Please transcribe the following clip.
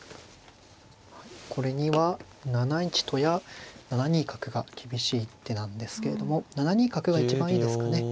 これには７一とや７二角が厳しい一手なんですけれども７二角が一番いいですかね。